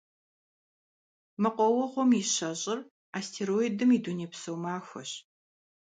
Мэкъуауэгъуэм и щэщIыр Астероидым и дунейпсо махуэщ.